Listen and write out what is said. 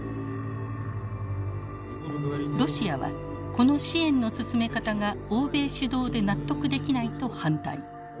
ロシアは「この支援の進め方が欧米主導で納得できない」と反対。